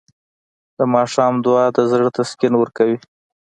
د ماښام دعا د زړه تسکین ورکوي.